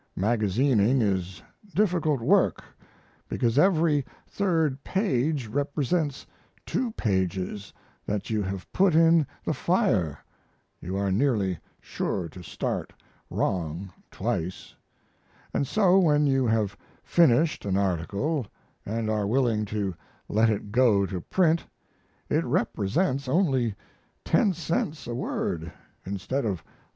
Magazining is difficult work because every third page represents two pages that you have put in the fire (you are nearly sure to start wrong twice), & so when you have finished an article & are willing to let it go to print it represents only 10 cents a word instead of 30.